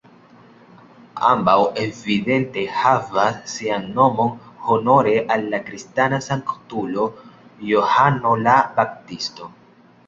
Ambaŭ evidente havas sian nomon honore al la kristana sanktulo Johano la Baptisto.